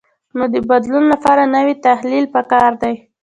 نو د بدلون لپاره نوی تخیل پکار دی.